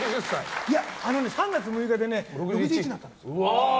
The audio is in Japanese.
３月６日で６１になったの。